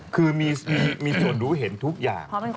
คือมีส่วนรู้เห็นทุกอย่าง